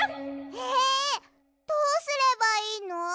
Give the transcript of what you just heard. えどうすればいいの？